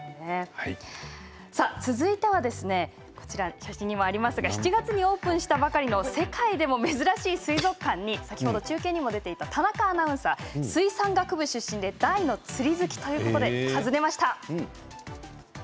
続いては７月にオープンしたばかりの世界でも珍しい水族館に先ほど中継にも出ていた田中アナウンサー、水産学部出身で大の釣り好きということで訪ねました。